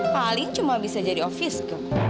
paling cuma bisa jadi ofis bu